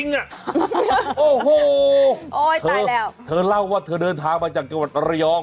โอ้โหตายแล้วเธอเล่าว่าเธอเดินทางมาจากจังหวัดระยอง